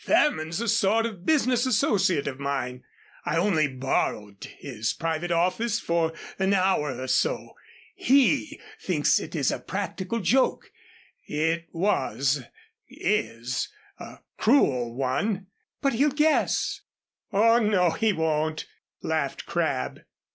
"Fairman's a sort of business associate of mine. I only borrowed his private office for an hour or so. He thinks it is a practical joke. It was is a cruel one " "But he'll guess " "Oh, no, he won't," laughed Crabb.